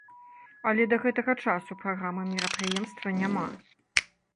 Але да гэтага часу праграмы мерапрыемства няма.